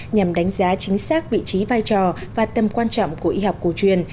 nhằm đánh giá chính xác vị trí vai trò và tầm quan trọng của y học cổ truyền